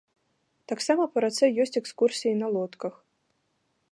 Таксама па рацэ ёсць экскурсіі на лодках.